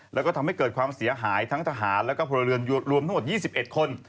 แล้วก็ทำให้เกิดความเสียหายทั้งทหารแล้วก็พลเรือนรวมทั้งหมด๒๑คน